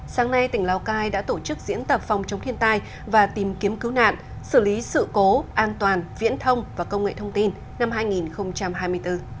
sáng nay tỉnh lào cai đã tổ chức diễn tập phòng chống thiên tai và tìm kiếm cứu nạn xử lý sự cố an toàn viễn thông và công nghệ thông tin năm hai nghìn hai mươi bốn